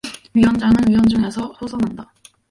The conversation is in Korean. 위원장은 위원중에서 호선한다.